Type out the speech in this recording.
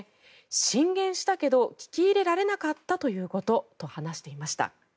進言したけど聞き入れられなかったということと話していました。